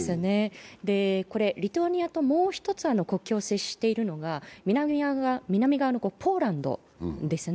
これ、リトアニアともう一つ接しているのが南側のポーランドです。